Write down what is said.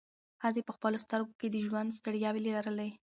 ښځې په خپلو سترګو کې د ژوند ستړیاوې لرلې.